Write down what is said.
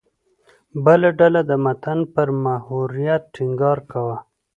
بله ډله د متن پر محوریت ټینګار کاوه.